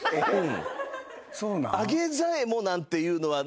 「あげざえも」なんていうのは。